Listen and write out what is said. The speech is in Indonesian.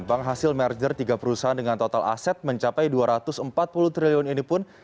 bank hasil merger tiga perusahaan dengan total aset mencapai dua ratus empat puluh triliun ini pun